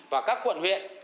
và các quận huyện